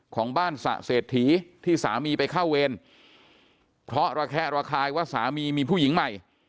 ของบ้านสะเศรษฐีที่สามีไปเข้าเวรเพราะระแคะระคายว่าสามีมีผู้หญิงใหม่